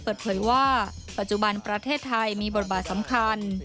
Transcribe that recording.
เปิดเผยว่าปัจจุบันประเทศไทยมีบทบาทสำคัญ